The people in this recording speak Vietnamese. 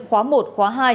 khóa một khóa hai